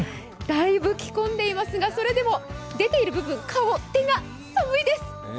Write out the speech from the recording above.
だいぶ着込んでいますが、それでも出ている部分の顔、手が寒いです！